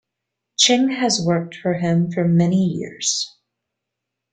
Ching has worked for him for many years.